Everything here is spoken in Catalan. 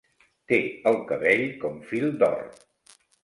Té el cabell com fil d'or.